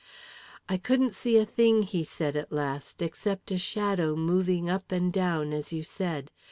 "I couldn't see a thing," he said, at last, "except a shadow moving up and down, as you said.